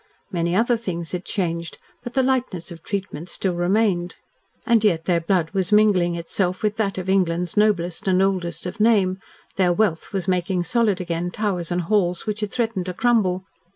Many other things had changed, but the lightness of treatment still remained. And yet their blood was mingling itself with that of England's noblest and oldest of name, their wealth was making solid again towers and halls which had threatened to crumble.